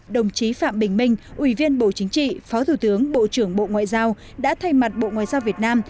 đồng chí phạm bình minh ủy viên bộ chính trị phó thủ tướng bộ trưởng bộ ngoại giao đã thay mặt bộ ngoại giao việt nam